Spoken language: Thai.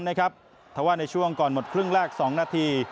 แต่ว่าในช่วงก่อนหมดครึ่งแรก๒นาที